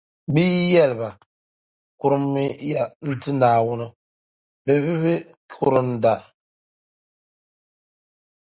Bɛ yi yɛli ba: Kurummi ya n-ti Naawuni, bɛ bi kurinda.